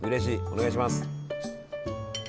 お願いします！